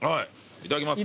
いただきます。